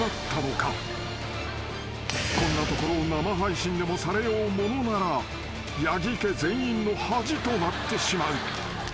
［こんなところを生配信でもされようものなら八木家全員の恥となってしまう］